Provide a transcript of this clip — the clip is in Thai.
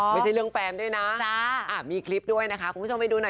ไม่ใช่เรื่องแฟนด้วยนะมีคลิปด้วยนะคะคุณผู้ชมไปดูหน่อย